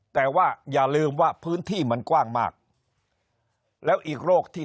แต่ว่าอย่าลืมว่าพื้นที่มันกว้างมากแล้วอีกโรคที่